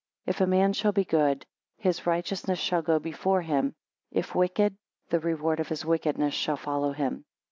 14 If a man shall be good, his righteousness shall go before him if wicked, the reward of his wickedness shall follow him.